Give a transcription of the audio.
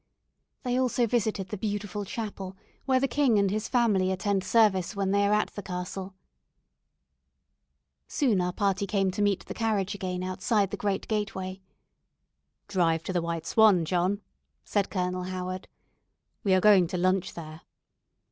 They also visited the beautiful chapel, where the king and his family attend service when they are at the castle. Soon our party came to meet the carriage again outside the great gateway. "Drive to the 'White Swan,' John," said Colonel Howard, "we are going to lunch there."